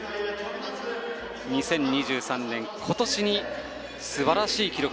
２０２３年、今年すばらしい記録。